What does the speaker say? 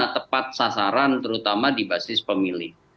tepat sasaran terutama di basis pemilih